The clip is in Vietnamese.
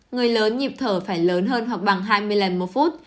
người lớn nhịp thở phải lớn hơn hoặc bằng hai mươi lần một phút